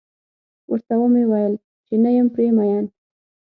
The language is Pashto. ورته و مې ويل چې نه یم پرې مين.